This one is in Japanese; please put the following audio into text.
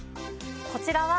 こちらは。